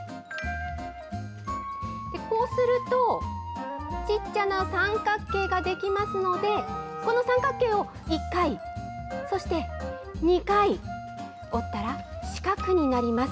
こうすると、小っちゃな三角形が出来ますので、この三角形を１回、そして２回折ったら、四角になります。